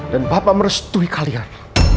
dan papa merestui kalian